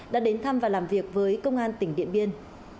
đã đến thăm và làm việc với công an tỉnh điện biên